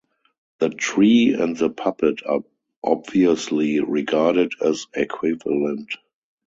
The tree and the puppet are obviously regarded as equivalent.